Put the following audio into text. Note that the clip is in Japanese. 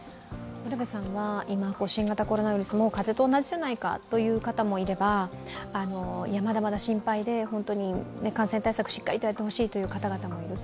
新型コロナウイルス、もう風邪と同じじゃないかと言う人もいれば、いや、まだまだ心配で本当に感染対策をしっかりやってほしいという方々もいる。